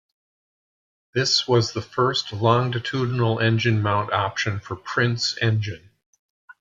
This was the first longitudinal engine mount option for Prince engine.